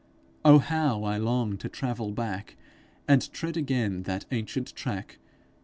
O how I long to travell back, And tread again that ancient track!